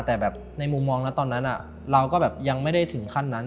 แต่แบบในมุมมองนะตอนนั้นเราก็แบบยังไม่ได้ถึงขั้นนั้น